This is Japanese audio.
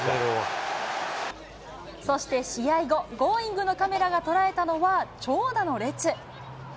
そして試合後、Ｇｏｉｎｇ！のカメラが捉えたのは長蛇の列。